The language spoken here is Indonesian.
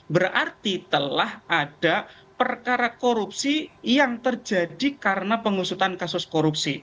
berarti telah ada perkara korupsi yang terjadi karena pengusutan kasus korupsi